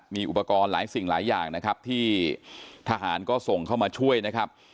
มีอุปกรณ์หลายสิ่งหลายอย่างนะครับที่ทหารก็ส่งเข้ามาช่วยนะครับ